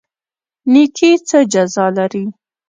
نیکي څه جزا لري؟